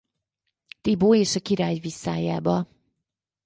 Thibaut és a király viszályába.